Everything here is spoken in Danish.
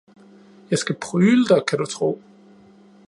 Jeg skal prygle dig, kan du tro!